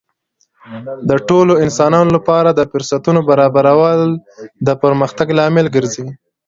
د ټولو انسانانو لپاره د فرصتونو برابرول د پرمختګ لامل ګرځي.